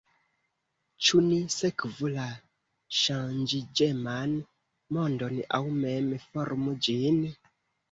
Ĉu ni sekvu la ŝanĝiĝeman mondon aŭ mem formu ĝin?